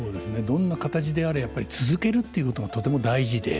どんな形であれやっぱり続けるっていうことがとても大事で。